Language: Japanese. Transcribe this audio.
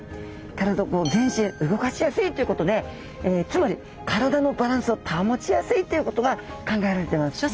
体全身動かしやすいということでつまり体のバランスを保ちやすいっていうことが考えられてます。